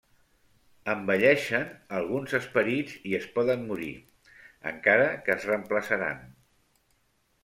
Envelleixen alguns Esperits i es poden morir, encara que es reemplaçaran.